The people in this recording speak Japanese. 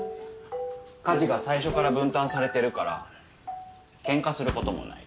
家事が最初から分担されてるからケンカすることもない。